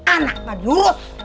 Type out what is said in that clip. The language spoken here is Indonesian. anak gak jurus